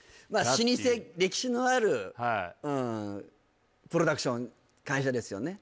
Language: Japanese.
老舗歴史のあるはいプロダクション会社ですよね